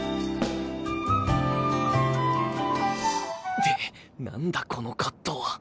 って何だこのカットは。